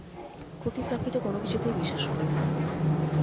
অতিপ্রাকৃত কোনো কিছুতেই বিশ্বাস করি না।